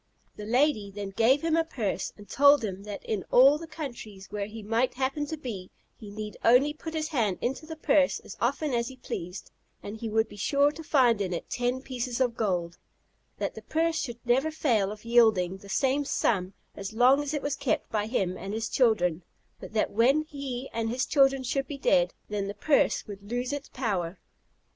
The lady then gave him a purse, and told him that in all the countries where he might happen to be, he need only put his hand into the purse as often as he pleased, and he would be sure to find in it ten pieces of gold; that the purse should never fail of yielding the same sum as long as it was kept by him and his children; but that when he and his children should be dead, then the purse would lose its power.